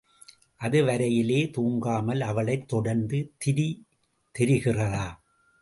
அதுவரையிலே தூங்காமல் அவளைத் தொடர்ந்து திரி தெரிகிறதா!